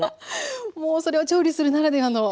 もうそれは調理するならではのね。